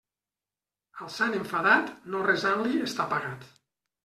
Al sant enfadat, no resant-li està pagat.